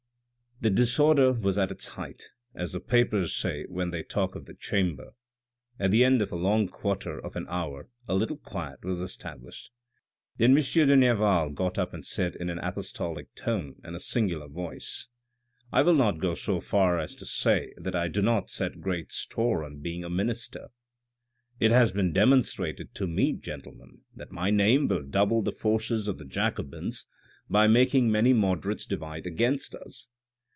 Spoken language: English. The disorder was at its height, as the papers say when they talk of the Chamber. At the end of a long quarter of an hour a little quiet was established. Then M. de Nerval got up and said in an apostolic tone and a singular voice :" I will not go so far as to say that I do not set great store on being a minister. " It has been demonstrated to me, gentlemen, that my name will double the forces of the Jacobins by making many 394 THE RED AND THE BLACK moderates divide against us.